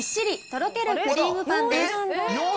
とろけるクリームパンです。